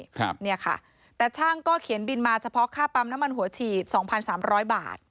ครับเนี่ยค่ะแต่ช่างก็เขียนบินมาเฉพาะค่าปั๊มน้ำมันหัวฉีดสองพันสามร้อยบาท